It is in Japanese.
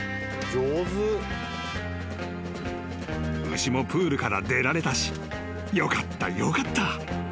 ［牛もプールから出られたしよかったよかった］